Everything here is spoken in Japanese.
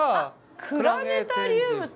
あっ「クラネタリウム」って。